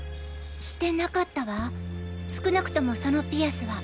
してなかったわ少なくともそのピアスは。